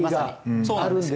そうなんですよ。